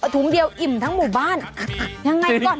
ถุงเดียวอิ่มทั้งหมู่บ้านยังไงก่อน